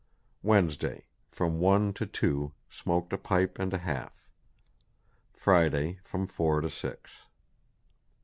Wednesday ... From One to Two Smoaked a Pipe and a half.... Friday ... From Four to Six.